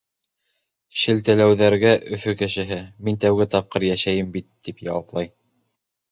Шелтәләүҙәргә Өфө кешеһе: «Мин тәүге тапҡыр йәшәйем бит!» — тип яуаплай.